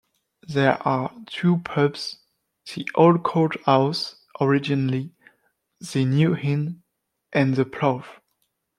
There are two pubs: "The Old Courthouse" originally "The New Inn" and "The Plough".